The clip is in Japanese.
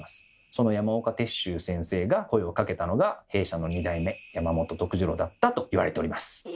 その山岡鉄舟先生が声をかけたのが弊社の２代目山本治郎だったといわれております。